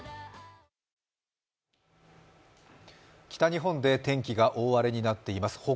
北日本で天気が大荒れになっています。